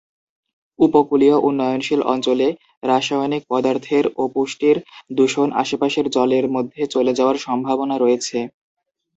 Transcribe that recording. উপকূলীয় উন্নয়নশীল অঞ্চলে, রাসায়নিক পদার্থের ও পুষ্টির দূষণ আশেপাশের জলের মধ্যে চলে যাওয়ার সম্ভাবনা রয়েছে।